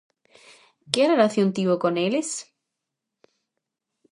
Que relación tivo con eles?